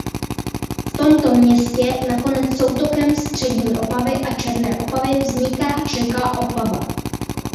V tomto městě nakonec soutokem Střední Opavy a Černé Opavy vzniká řeka Opava.